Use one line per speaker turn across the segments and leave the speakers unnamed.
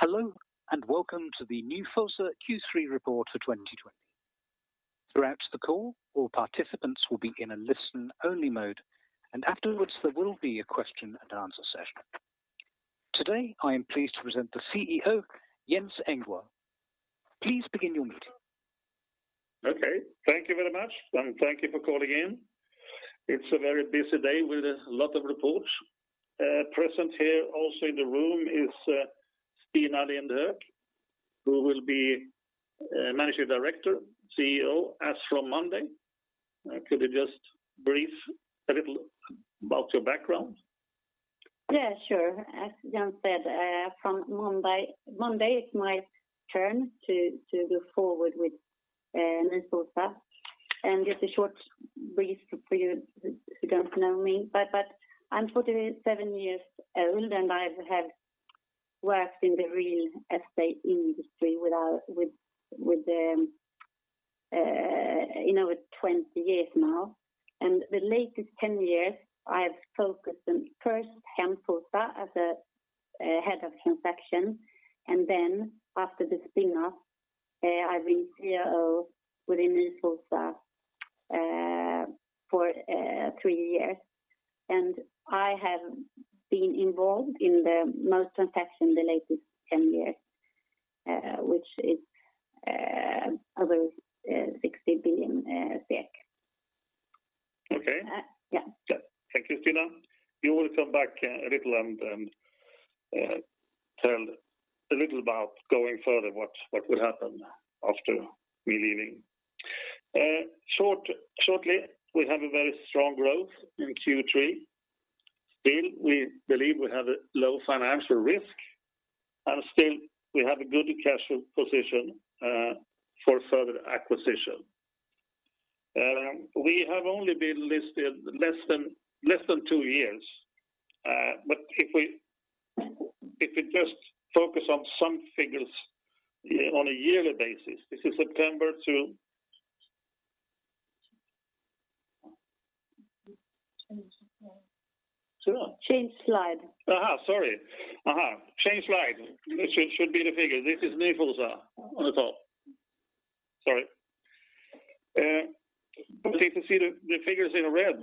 Hello, and welcome to the Nyfosa Q3 Report for 2020. Throughout the call, all participants will be in a listen-only mode, and afterwards there will be a question and answer session. Today, I am pleased to present the CEO, Jens Engwall. Please begin your meeting.
Okay. Thank you very much, and thank you for calling in. It's a very busy day with a lot of reports. Present here also in the room is Stina Lindh Hök, who will be Managing Director, CEO as from Monday. Could you just brief a little about your background?
Yeah, sure. As Jens said, from Monday it's my turn to go forward with Nyfosa. Just a short brief for you who don't know me. I'm 47 years old, and I have worked in the real estate industry with over 20 years now. The latest 10 years, I have focused on first Hemfosa as a Head of Transaction, and then after the spin-off, I've been CEO within Nyfosa for three years. I have been involved in the most transaction the latest 10 years, which is over SEK 60 billion.
Okay.
Yeah.
Yeah. Thank you, Stina. You will come back a little and tell a little about going further what will happen after me leaving. Shortly, we have a very strong growth in Q3. We believe we have a low financial risk, and still we have a good cash position for further acquisition. We have only been listed less than two years. If we just focus on some figures on a yearly basis, this is September to-
Change slide.
Sorry. Change slide. This should be the figure. This is Nyfosa on the top. Sorry. If you see the figures in red,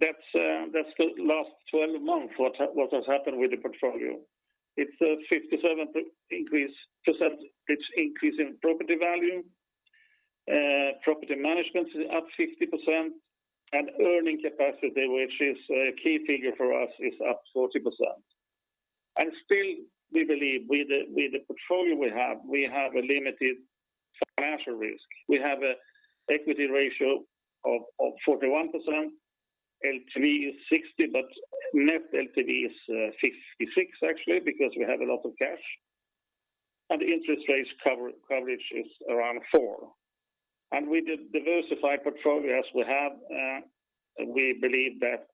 that's the last 12 months, what has happened with the portfolio. It's a 57% increase in property value. Property management is up 50%, and earning capacity, which is a key figure for us, is up 40%. Still, we believe with the portfolio we have, we have a limited financial risk. We have a equity ratio of 41%, LTV is 60%, but net LTV is 56% actually because we have a lot of cash, and the interest coverage ratio is around four. With the diversified portfolio as we have, we believe that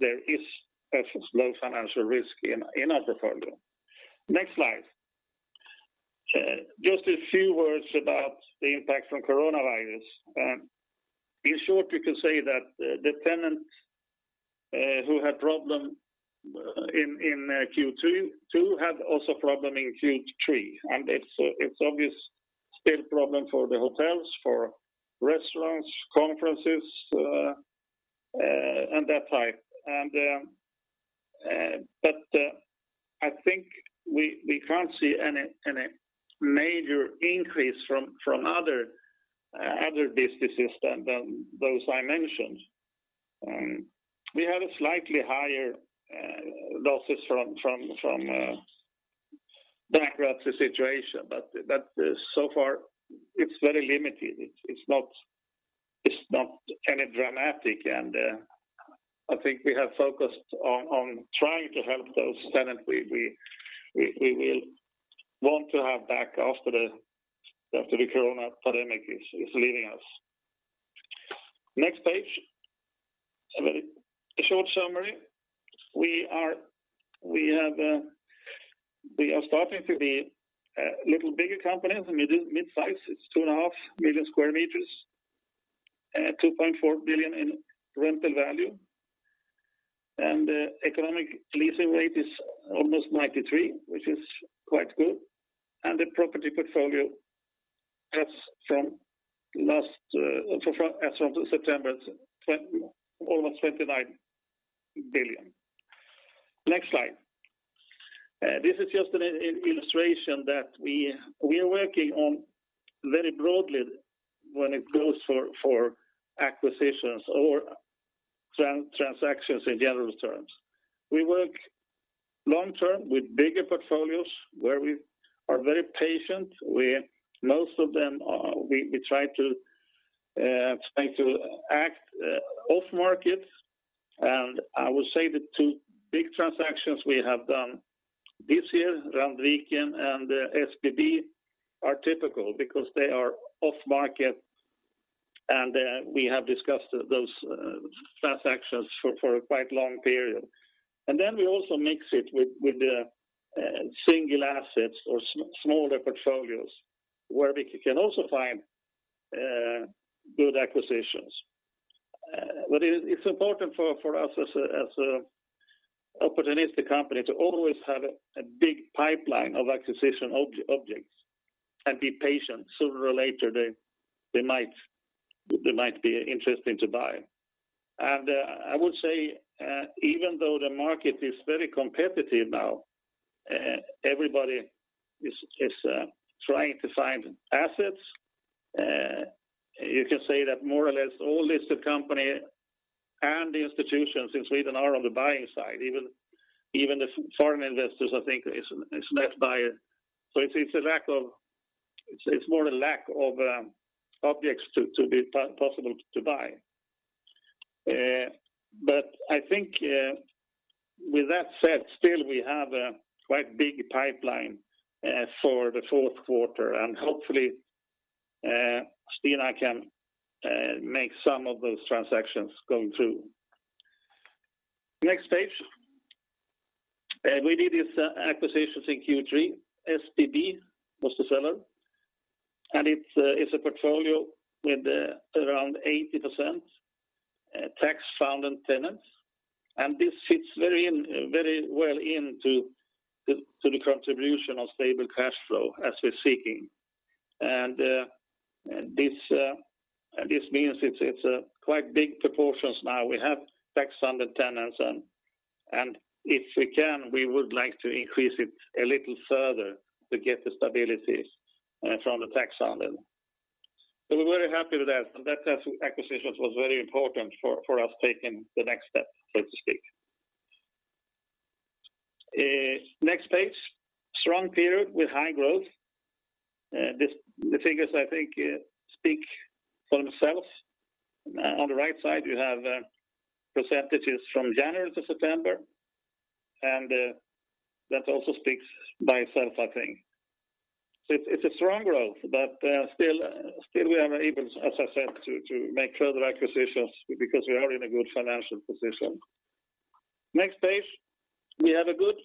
there is low financial risk in our portfolio. Next slide. Just a few words about the impact from coronavirus. In short, you can say that the tenants who had problem in Q2 have also problem in Q3. It's obvious still problem for the hotels, for restaurants, conferences, and that type. I think we can't see any major increase from other businesses than those I mentioned. We have a slightly higher losses from bankruptcy situation, but so far it's very limited. It's not any dramatic, and I think we have focused on trying to help those tenant we will want to have back after the Corona pandemic is leaving us. Next page. A very short summary. We are starting to be a little bigger company, mid-size. It's 2.5 million sq m, SEK 2.4 billion in rental value, and the economic leasing rate is almost 93%, which is quite good. The property portfolio as from September, almost 29 billion. Next slide. This is just an illustration that we are working on very broadly when it goes for acquisitions or transactions in general terms. We work long-term with bigger portfolios where we are very patient. Most of them we try to act off-market, I will say the two big transactions we have done this year, Randviken and SBB, are typical because they are off-market, we have discussed those transactions for a quite long period. Then we also mix it with the single assets or smaller portfolios where we can also find good acquisitions. It's important for us as a opportunistic company to always have a big pipeline of acquisition objects and be patient. Sooner or later, they might be interesting to buy. I would say, even though the market is very competitive now, everybody is trying to find assets. You can say that more or less all listed company and the institutions in Sweden are on the buying side, even the foreign investors, I think, is net buyer. It's more a lack of objects to be possible to buy. I think with that said, still we have a quite big pipeline for the fourth quarter, and hopefully Stina can make some of those transactions going through. Next page. We did this acquisition in Q3. SBB was the seller, and it's a portfolio with around 80% tax-funded tenants, and this fits very well into the contribution of stable cash flow as we're seeking. This means it's a quite big proportions now. We have tax-funded tenants and if we can, we would like to increase it a little further to get the stability from the tax-funded. We're very happy with that, and that acquisition was very important for us taking the next step, so to speak. Next page. Strong period with high growth. The figures, I think, speak for themselves. On the right side, you have percentages from January to September, that also speaks by itself, I think. It's a strong growth, but still we are able, as I said, to make further acquisitions because we are in a good financial position. Next page. We have a good,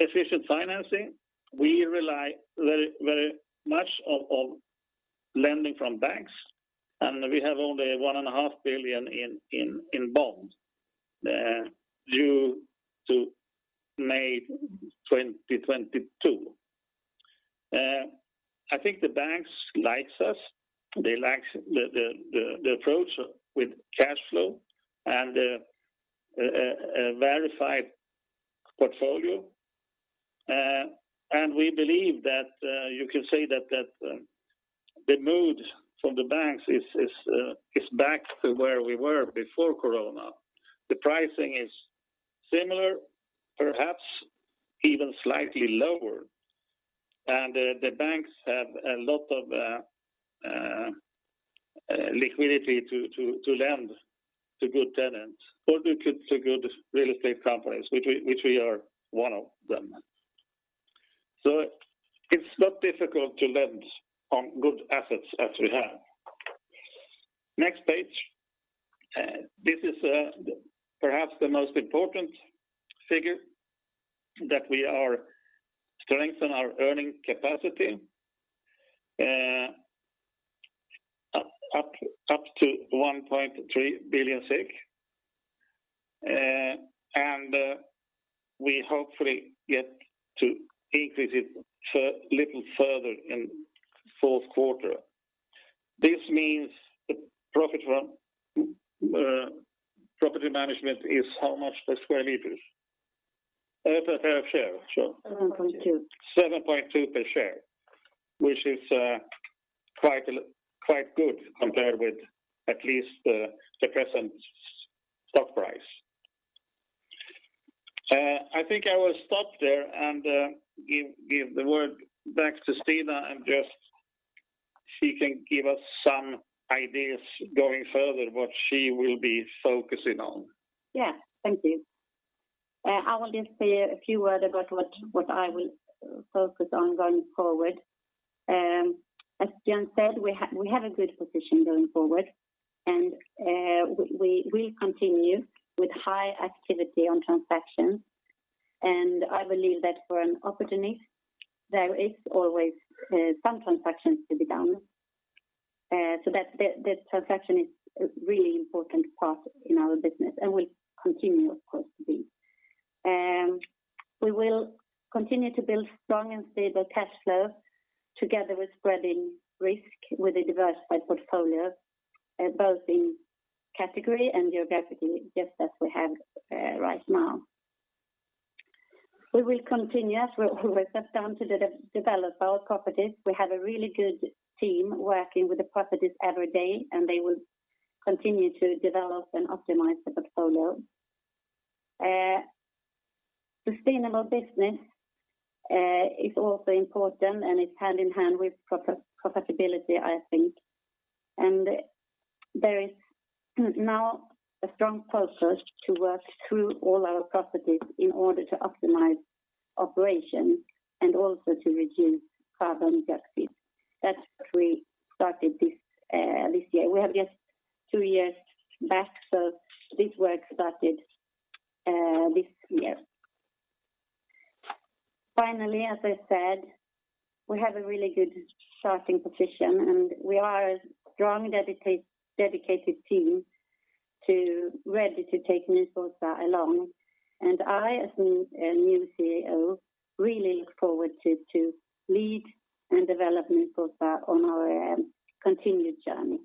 efficient financing. We rely very much on lending from banks, we have only 1.5 billion in bonds due to May 2022. I think the banks like us. They like the approach with cash flow and a verified portfolio. We believe that you can say that the mood from the banks is back to where we were before Corona. The pricing is similar, perhaps even slightly lower. The banks have a lot of liquidity to lend to good tenants or to good real estate companies, which we are one of them. It's not difficult to lend on good assets as we have. Next page. This is perhaps the most important figure that we are strengthen our earning capacity up to 1.3 billion. We hopefully get to increase it little further in fourth quarter. This means the profit from property management is how much per square meters? Per share, sure.
7.2.
7.2 per share, which is quite good compared with at least the present stock price. I think I will stop there and give the word back to Stina and just she can give us some ideas going further what she will be focusing on.
Yeah. Thank you. I will just say a few word about what I will focus on going forward. As Jens said, we have a good position going forward, and we'll continue with high activity on transactions, and I believe that for an opportunist, there is always some transactions to be done. The transaction is a really important part in our business and will continue, of course to be. We will continue to build strong and stable cash flow together with spreading risk with a diversified portfolio both in category and geography, just as we have right now. We will continue as we always have done to develop our properties. We have a really good team working with the properties every day, and they will continue to develop and optimize the portfolio. Sustainable business is also important, and it's hand in hand with profitability, I think. There is now a strong focus to work through all our properties in order to optimize operations and also to reduce carbon dioxide. That we started this year. We have just two years back, so this work started this year. Finally, as I said, we have a really good starting position, and we are a strong, dedicated team ready to take Nyfosa along. I, as the new CEO, really look forward to lead and develop Nyfosa on our continued journey.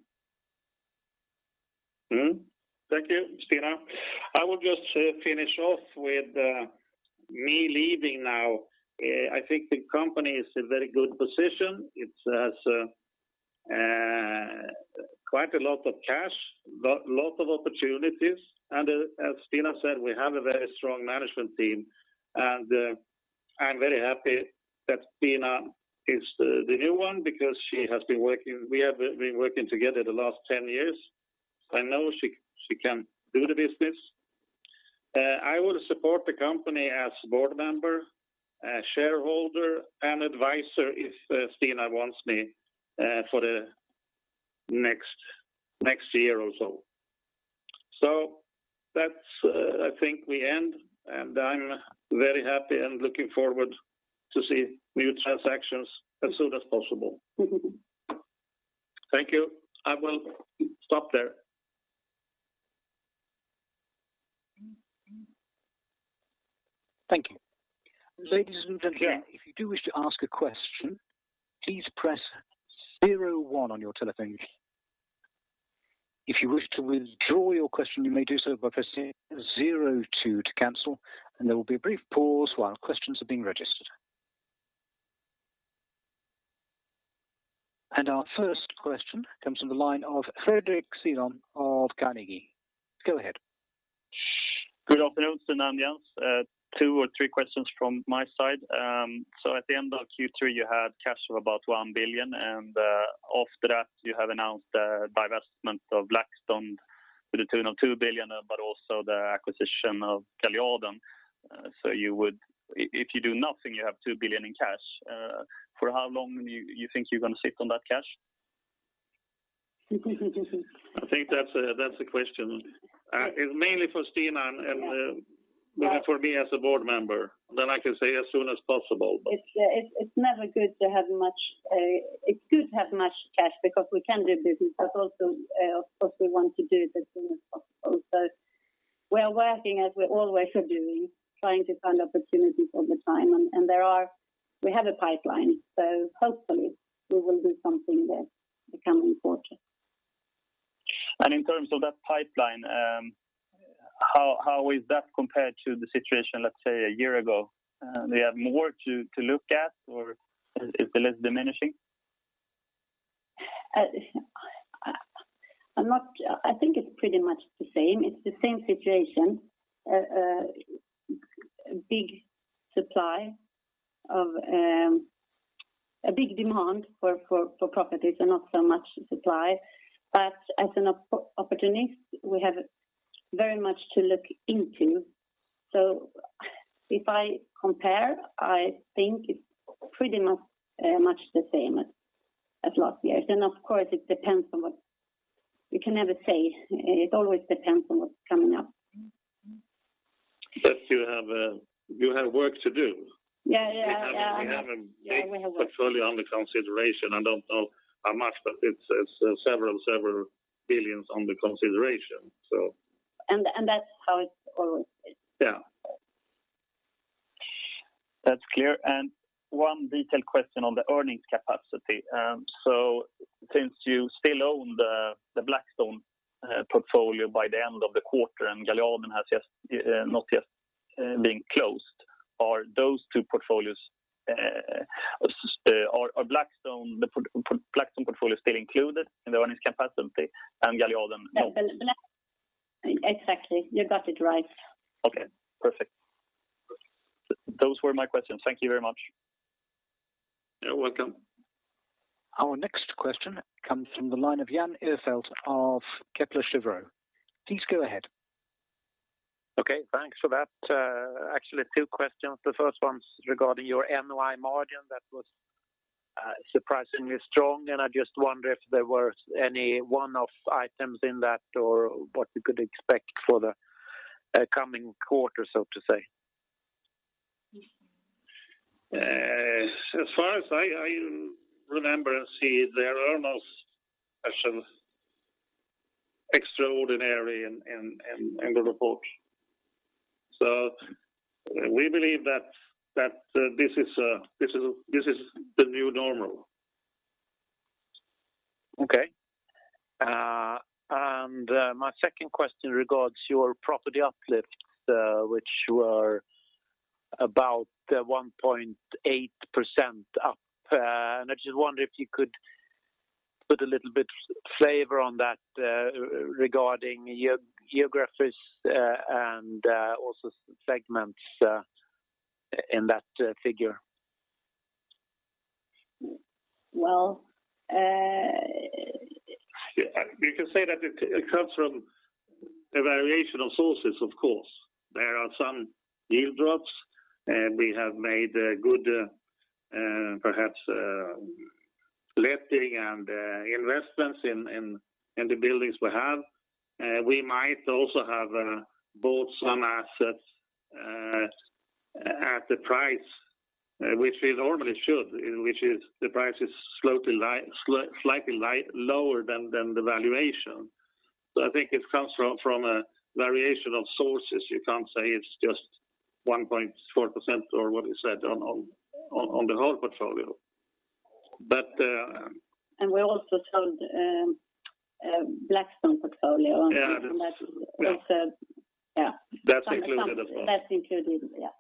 Thank you, Stina. I will just finish off with me leaving now. I think the company is in a very good position. It has quite a lot of cash, lots of opportunities, and as Stina said, we have a very strong management team. I'm very happy that Stina is the new one because we have been working together the last 10 years. I know she can do the business. I will support the company as Board member, Shareholder, and Advisor if Stina wants me for the next year or so. That's where I think we end, and I'm very happy and looking forward to see new transactions as soon as possible. Thank you. I will stop there.
Thank you. Ladies and gentlemen, if you wish to ask a question please press zero one on your telephone keypad. If you wish to withdraw your question, you may do so by pressing zero two to cancel. And there will be a brief pause while the questions are being registered.
Yeah
Our first question comes from the line of Fredric Cyon of Carnegie. Go ahead.
Good afternoon, Stina and Jens. Two or three questions from my side. At the end of Q3, you had cash of about 1 billion, and after that, you have announced the divestment of Blackstone for the tune of 2 billion, but also the acquisition of Gamlestaden. If you do nothing, you have 2 billion in cash. For how long you think you're going to sit on that cash?
I think that's a question mainly for Stina.
Yeah
Maybe for me as a board member, then I can say as soon as possible.
It's good to have much cash because we can do business, but also, of course, we want to do it as soon as possible. We are working as we always are doing, trying to find opportunities all the time. We have a pipeline, so hopefully we will do something there the coming quarter.
In terms of that pipeline, how is that compared to the situation, let's say, a year ago? Do you have more to look at, or is the list diminishing?
I think it's pretty much the same. It's the same situation, a big demand for properties and not so much supply. As an opportunist, we have very much to look into. If I compare, I think it's pretty much the same as last year. Of course, you can never say. It always depends on what's coming up.
You have work to do.
Yeah.
We have a big-
Yeah, we have work.
Portfolio under consideration. I don't know how much, but it's several billions under consideration.
That's how it's always is.
Yeah.
That's clear. One detailed question on the earnings capacity. Since you still own the Blackstone portfolio by the end of the quarter, and Gamlestaden has not yet been closed, are Blackstone portfolio still included in the earnings capacity and Gamlestaden?
Exactly. You got it right.
Perfect. Those were my questions. Thank you very much.
You're welcome.
Our next question comes from the line of Jan Ihrfelt of Kepler Cheuvreux. Please go ahead.
Okay, thanks for that. Actually, two questions. The first one's regarding your NOI margin that was surprisingly strong, and I just wonder if there were any one-off items in that or what we could expect for the coming quarter, so to say.
As far as I remember and see, there are no special, extraordinary in the report. We believe that this is the new normal.
Okay. My second question regards your property uplift, which were about 1.4% up. I just wonder if you could put a little bit flavor on that regarding geographies, and also segments in that figure.
Well-
You can say that it comes from a variation of sources, of course. There are some yield drops, and we have made good, perhaps letting and investments in the buildings we have. We might also have bought some assets at the price which we normally should, which is the price is slightly lower than the valuation. I think it comes from a variation of sources. You can't say it's just 1.4% or what you said on the whole portfolio.
We also sold Blackstone portfolio.
Yeah
And that's also-
Yeah.
Yeah.
That's included as well.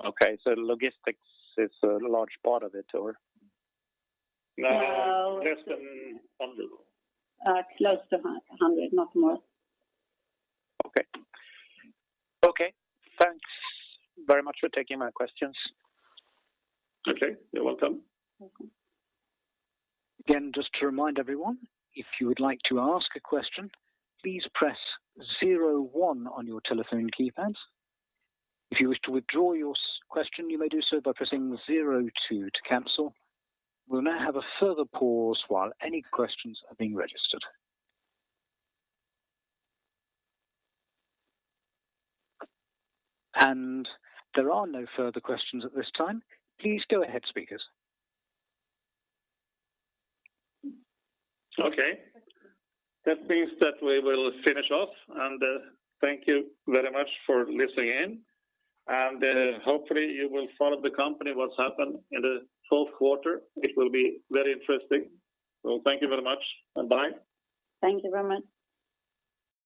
That's included, yeah.
Okay. Logistics is a large part of it or?
No.
No.
Less than 100.
Close to 100, not more.
Okay. Okay, thanks very much for taking my questions.
Okay. You're welcome.
Welcome.
Again, just to remind everyone, if you would like to ask a question, please press zero one on your telephone keypads. If you wish to withdraw your question, you may do so by pressing zero two to cancel. We'll now have a further pause while any questions are being registered. There are no further questions at this time. Please go ahead, speakers.
Okay. That means that we will finish off. Thank you very much for listening in, and hopefully you will follow the company, what's happened in the fourth quarter. It will be very interesting. Thank you very much, and bye.
Thank you very much.